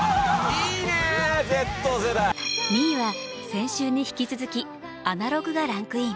２位は先週に引き続き「アナログ」がランクイン。